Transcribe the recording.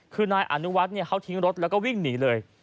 คือนายอนุวัฒน์เขาทิ้งรถแล้วก็วิ่งหนีเลย